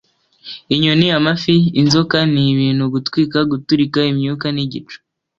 inyoni, amafi, inzoka nibintu, Gutwika, guturika, imyuka nigicu.